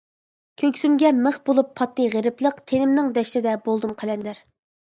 كۆكسۈمگە مىخ بولۇپ پاتتى غېرىبلىق، تېنىمنىڭ دەشتىدە بولدۇم قەلەندەر.